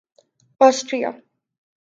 Austria